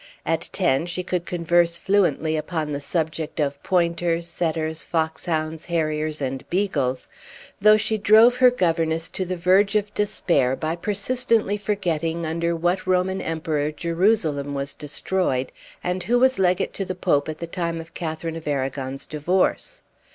At ten she could Page 10 converse fluently upon the subject of pointers, setters, fox hounds, harriers, and beagles, though she drove her governess to the verge of despair by persistently forgetting under what Roman emperor Jerusalem was destroyed, and who was legate to the Pope at the time of Catharine of Aragon's divorce.